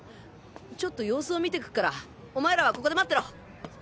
ちょっと様子を見てくっからお前らはここで待ってろ。